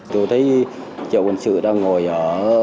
tôi thấy triệu quân sự đang ngồi ở